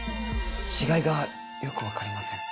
違いがよく分かりません。